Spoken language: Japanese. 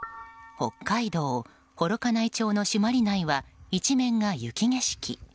北海道幌加内町の朱鞠内は一面が雪景色。